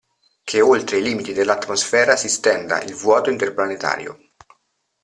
Che oltre i limiti dell'atmosfera si stenda il vuoto interplanetario.